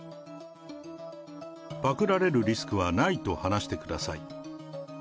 パクられるリスクはないと話してください。